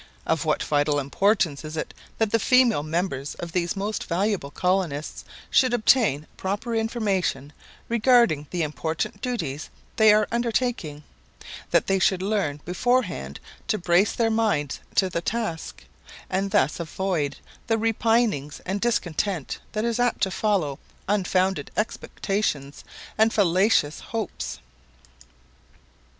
Of what vital importance is it that the female members of these most valuable colonists should obtain proper information regarding the important duties they are undertaking; that they should learn beforehand to brace their minds to the task, and thus avoid the repinings and discontent that is apt to follow unfounded expectations and fallacious hopes!